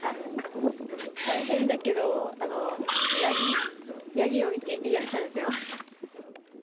大変だけど、ヤギを見て癒やされてます。